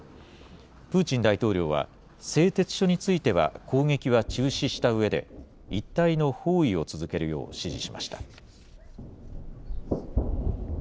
プーチン大統領は製鉄所については、攻撃は中止したうえで、一帯の包囲を続けるよう指示しました。